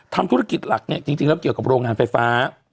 ทำธุรกิจหลักเนี่ยจริงแล้วเกี่ยวกับโรงงานไฟฟ้า